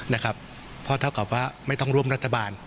นะครับเพราะเท่ากับว่าไม่ต้องร่วมรัฐบาล